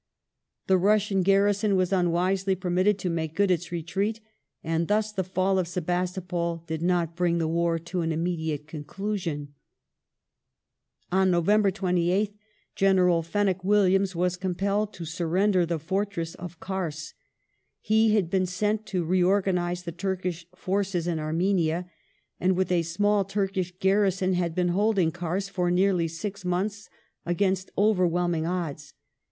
The Russian garrison was ^ unwisely permitted to make good its retreat, and thus the fall of Sebastopol did not bring the war to an immediate conclusion. On November 28th General Fenwick Williams was compelled Fall of to surrender the fortress of Kars. He had been sent to reorganize ^^^^ the Turkish forces in Armenia, and with a small Turkish garrison had been holding Kars for nearly six months against overwhelm ing odds.